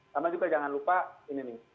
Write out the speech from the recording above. sama juga jangan lupa ini nih